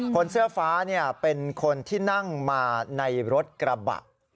คนเสื้อฟ้าเป็นคนที่นั่งมาในรถกระบะ